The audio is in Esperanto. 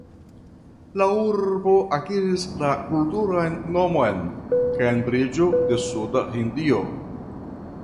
La urbo akiris la kulturan nomon "Kembriĝo de Suda Hindio".